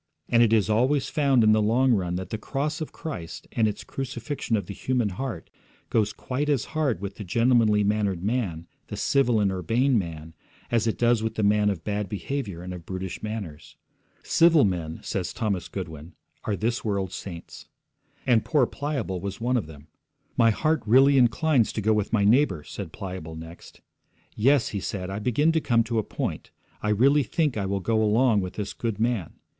And it is always found in the long run that the cross of Christ and its crucifixion of the human heart goes quite as hard with the gentlemanly mannered man, the civil and urbane man, as it does with the man of bad behaviour and of brutish manners. 'Civil men,' says Thomas Goodwin, 'are this world's saints.' And poor Pliable was one of them. 'My heart really inclines to go with my neighbour,' said Pliable next. 'Yes,' he said, 'I begin to come to a point. I really think I will go along with this good man.